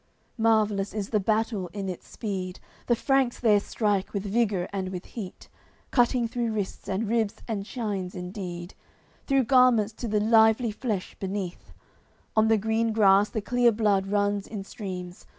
CXXIII Marvellous is the battle in its speed, The Franks there strike with vigour and with heat, Cutting through wrists and ribs and chines in deed, Through garments to the lively flesh beneath; On the green grass the clear blood runs in streams.